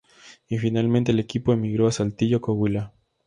Y finalmente el equipo emigró a Saltillo, Coahuila.